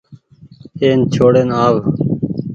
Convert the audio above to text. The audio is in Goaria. اين ڇوڙين آ و۔